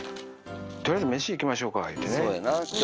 とりあえず飯行きましょうかいうてね。